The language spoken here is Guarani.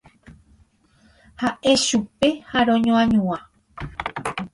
Ha'e chupe ha roñoañua.